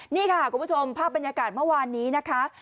นี่ค่ะคุณผู้ชมภาพบรรยากาศเมื่อวานนี้นะคะ